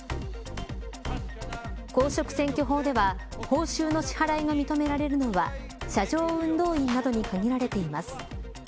公職選挙法では報酬の支払いが認められるのは車上運動員などに限られています。